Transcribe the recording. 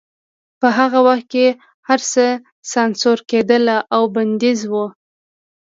په هغه وخت کې هرڅه سانسور کېدل او بندیز و